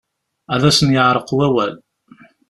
Ad asen-yeεreq wawal.